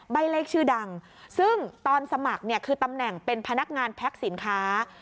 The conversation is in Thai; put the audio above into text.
ใบเลขชื่อดังซึ่งตอนสมัครเนี่ยคือตำแหน่งเป็นพนักงานแพ็คสินค้า